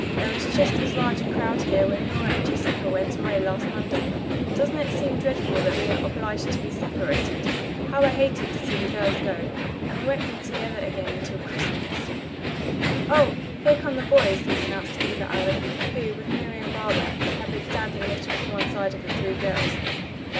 "There was just as large a crowd here when Nora and Jessica went away last Monday. Doesn't it seem dreadful that we are obliged to be separated? How I hated to see the girls go. And we won't be together again until Christmas." "Oh, here come the boys!" announced Eva Allen, who, with Marian Barber, had been standing a little to one side of the three girls.